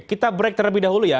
kita break terlebih dahulu ya